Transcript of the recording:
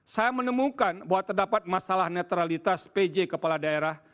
saya menemukan bahwa terdapat masalah netralitas pj kepala daerah